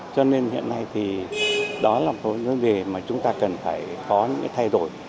cho nên hiện nay thì đó là một vấn đề mà chúng ta cần phải có những thay đổi